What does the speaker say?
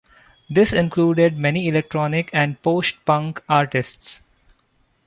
This included many electronic and post-punk artists.